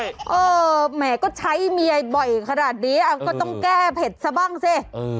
แหมก็ใช้เมียบ่อยขนาดนี้ก็ต้องแก้เผ็ดซะบ้างสิ